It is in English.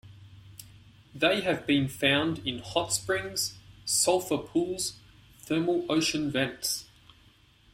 They have been found in hot springs, sulfur pools, thermal ocean vents.